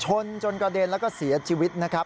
ชนจนกระเด็นแล้วก็เสียชีวิตนะครับ